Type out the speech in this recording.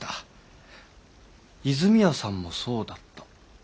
和泉屋さんもそうだった。